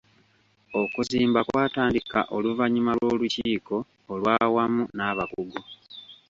Okuzimba kwatandika oluvannyuma lw'olukiiko olw'awamu n'abakungu.